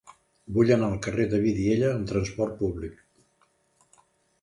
Vull anar al carrer de Vidiella amb trasport públic.